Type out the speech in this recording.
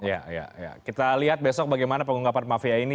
ya ya ya kita lihat besok bagaimana pengunggapan mafia ini